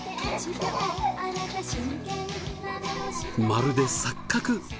まるで錯覚！？